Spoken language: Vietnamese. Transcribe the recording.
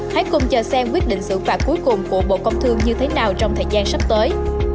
hãy cùng chờ xem quyết định xử phạt cuối cùng của bộ công thương như thế nào trong thời gian sắp tới